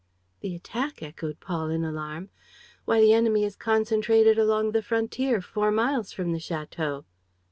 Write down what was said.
"The attack?" echoed Paul, in alarm. "Why, the enemy is concentrated along the frontier, four miles from the château!"